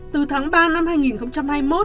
từ tháng ba năm hai nghìn hai mươi một